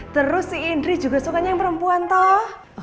terus si indri juga sukanya yang perempuan toh